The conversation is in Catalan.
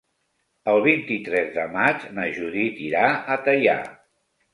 El vint-i-tres de maig na Judit irà a Teià.